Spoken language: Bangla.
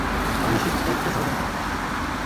আমি নিশ্চিত এটা একটা ষড়যন্ত্র।